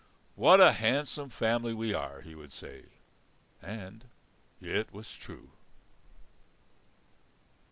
"What a handsome family we are!" he would say. And it was true.